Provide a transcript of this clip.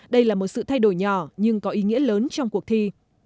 đây là một sự thay đổi nhỏ nhưng có ý nghĩa lớn trong cuộc thi